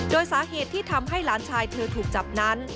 โดยสาเหตุที่ทำให้หลานชายเธอถูกจับนั้น